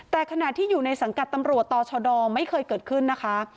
แต่ขณะที่อยู่ในสังกัดตำรวจต่อชดไม่เคยเกิดขึ้นนะคะ